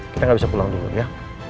kita nggak bisa pulang dulu ya